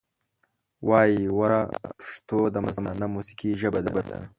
وایې وره پښتو دمستانه موسیقۍ ژبه ده